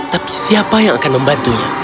tapi siapa yang akan membantunya